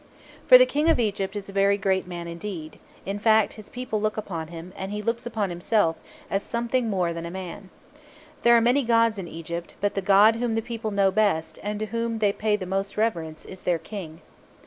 For the King of Egypt is a very great man indeed; in fact, his people look upon him, and he looks upon himself, as something more than a man. There are many gods in Egypt; but the god whom the people know best, and to whom they pay the most reverence, is their King.